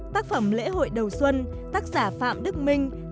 tác phẩm lễ hội đầu xuân tác giả lê thái dương bạc liêu